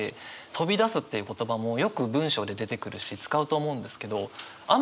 「飛び出す」っていう言葉もよく文章で出てくるし使うと思うんですけどあんまできないじゃないですか。